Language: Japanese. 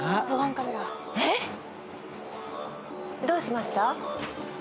どうしました？